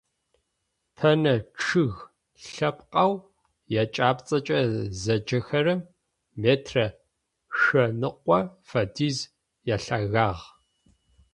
Пэнэ чъыг лъэпкъэу екӏапӏцӏэкӏэ заджэхэрэм метрэ шъэныкъо фэдиз ялъэгагъ.